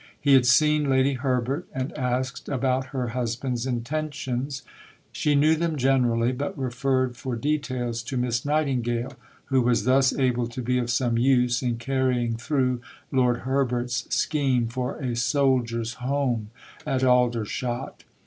He had seen Lady Herbert and asked about her husband's intentions. She knew them generally, but referred for details to Miss Nightingale, who was thus able to be of some use in carrying through Lord Herbert's scheme for a Soldiers' Home at Aldershot.